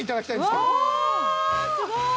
すごい！